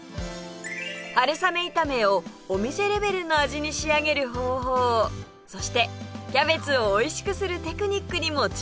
春雨炒めをお店レベルの味に仕上げる方法そしてキャベツをおいしくするテクニックにも注目です